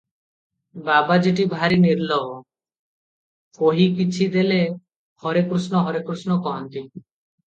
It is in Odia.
ବାବାଜୀଟି ଭାରି ନିର୍ଲୋଭ, କହି କିଛି ଦେଲେ "ହରେ କୃଷ୍ଣ, ହରେ କୃଷ୍ଣ" କହନ୍ତି ।